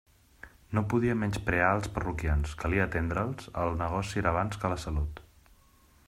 No podia menysprear els parroquians; calia atendre'ls; el negoci era abans que la salut.